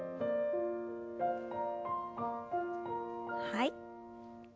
はい。